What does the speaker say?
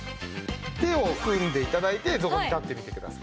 手を組んで頂いてそこに立ってみてください。